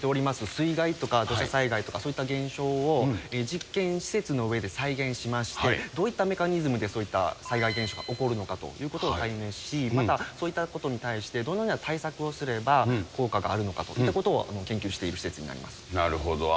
水害とか土砂災害とか、そういった現象を実験施設の上で再現しまして、どういったメカニズムでそういった災害現象が起こるのかということを解明し、またそういったことに対して、どのような対策をすれば効果があるのかといったことを研究していなるほど。